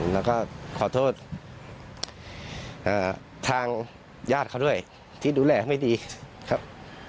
แล้วก็ขอโทษทางญาติเขาด้วยที่ดูแลไม่ดีครับ